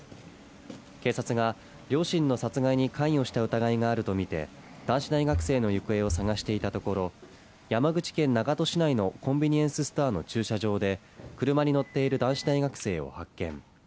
警察が両親の殺害に関与した疑いがあるとみて男子大学生の行方を捜していたところ山口県長門市内のコンビニエンスストアの駐車場で、車に乗っている男子大学生を発見。